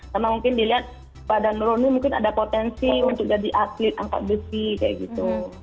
karena mungkin dilihat pada nurul ini mungkin ada potensi untuk jadi atlet angkat besi kayak gitu